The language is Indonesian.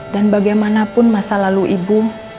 dan bagaimanapun masa lalu ibu